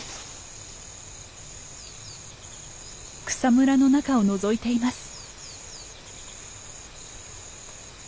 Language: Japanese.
草むらの中をのぞいています。